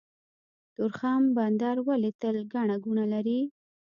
تورخم بندر ولې تل ګڼه ګوڼه لري؟